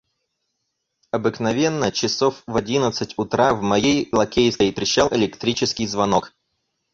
Обыкновенно часов в одиннадцать утра в моей лакейской трещал электрический звонок.